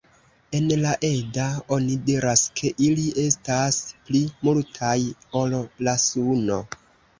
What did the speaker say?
En la Edda oni diras ke ili estas pli lumaj ol la suno.